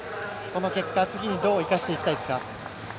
この結果、次にどう生かしていきたいですか？